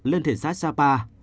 lên thị xã sapa